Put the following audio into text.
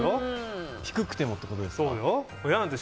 低くてもってことですか。